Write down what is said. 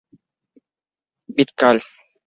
Bird Call!